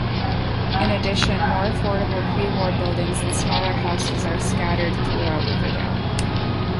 In addition, more affordable pre-war buildings and smaller houses are scattered throughout Riverdale.